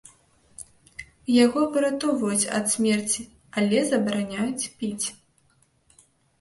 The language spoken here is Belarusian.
Яго выратоўваюць ад смерці, але забараняюць піць.